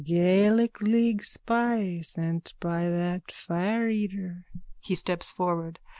_ Gaelic league spy, sent by that fireeater. _(He steps forward.